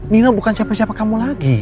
nino bukan siapa siapa kamu lagi